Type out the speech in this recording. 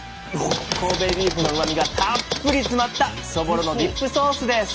神戸ビーフのうまみがたっぷり詰まったそぼろのディップソースです！